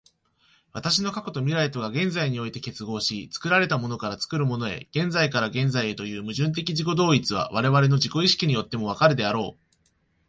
私の過去と未来とが現在において結合し、作られたものから作るものへ、現在から現在へという矛盾的自己同一は、我々の自己意識によっても分かるであろう。